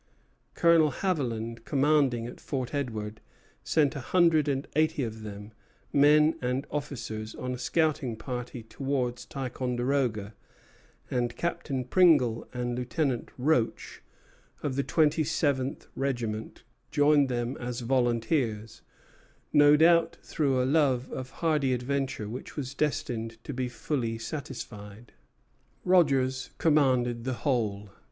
Colonel Haviland, commanding at Fort Edward, sent a hundred and eighty of them, men and officers, on a scouting party towards Ticonderoga; and Captain Pringle and Lieutenant Roche, of the twenty seventh regiment, joined them as volunteers, no doubt through a love of hardy adventure, which was destined to be fully satisfied. Rogers commanded the whole.